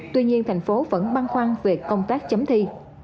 tuy nhiên thành phố vẫn băn khoăn về công tác chấm thi